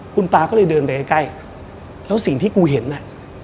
คุณตาก็เลยเดินไปใกล้แล้วสิ่งที่กูเห็นน่ะ